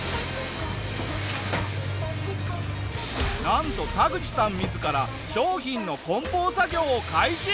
なんとタグチさん自ら商品の梱包作業を開始！